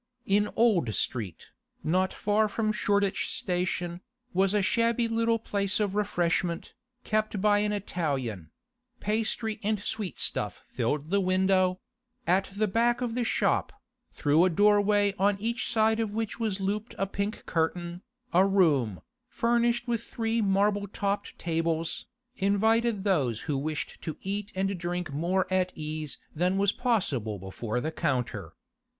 In Old Street, not far from Shoreditch Station, was a shabby little place of refreshment, kept by an Italian; pastry and sweet stuff filled the window; at the back of the shop, through a doorway on each side of which was looped a pink curtain, a room, furnished with three marble topped tables, invited those who wished to eat and drink more at ease than was possible before the counter.